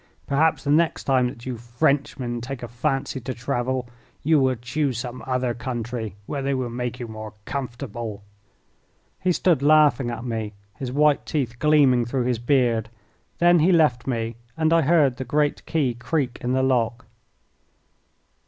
Perhaps the next time that you Frenchmen take a fancy to travel you will choose some other country where they will make you more comfortable." He stood laughing at me, his white teeth gleaming through his beard. Then he left me, and I heard the great key creak in the lock.